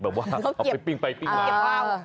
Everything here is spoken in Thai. เอาไปปิ้งไปปิ้งมา